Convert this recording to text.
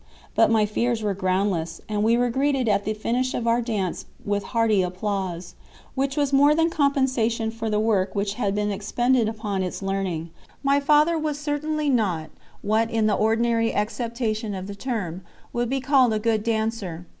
But my fears were groundless, and we were greeted at the finish of our dance with hearty applause, which was more than compensation for the work which had been expended upon its learning. My father was certainly not what in the ordinary acceptation of the term would be called "a good dancer."